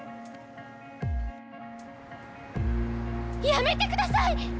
やめてください！